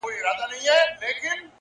ستا د دواړو سترگو سمندر گلي!!